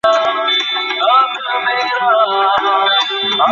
Maryland অঙ্গরাজ্যের সহিংসতাপীড়িত শহরটিতে কয়েক দিন ধরে সান্ধ্য আইন বলবৎ রয়েছে।